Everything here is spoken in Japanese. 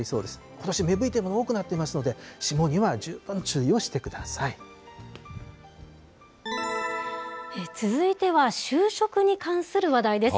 ことし芽吹いているもの多くなっていますので、霜には十分注意を続いては就職に関する話題です。